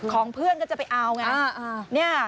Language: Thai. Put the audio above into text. ของเพื่อนก็จะไปเอาไง